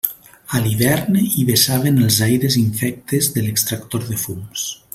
A l'hivern hi vessaven els aires infectes de l'extractor de fums.